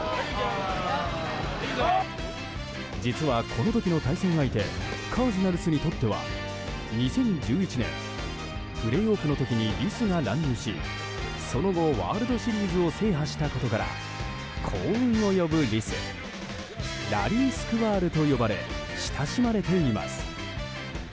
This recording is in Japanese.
実はこの時の対戦相手カージナルスにとっては２０１１年プレーオフの時にリスが乱入しその後、ワールドシリーズを制覇したことから幸運を呼ぶリスラリー・スクワールと呼ばれ親しまれています。